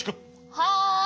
はい。